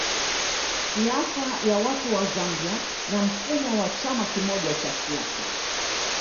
Siasa ya watu wa Zambia na mfumo wa chama kimoja cha siasa